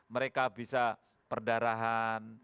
mereka bisa perdarahan